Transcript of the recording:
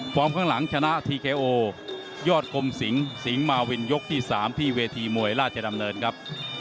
ข้างหลังชนะทีเคโอยอดกรมสิงสิงหมาวินยกที่๓ที่เวทีมวยราชดำเนินครับ